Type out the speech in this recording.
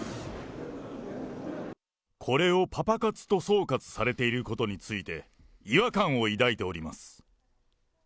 これをパパ活と総括されていることについて、違和感を抱いております。